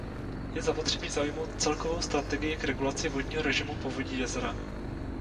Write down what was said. Je zapotřebí zaujmout celkovou strategii k regulaci vodního režimu povodí jezera.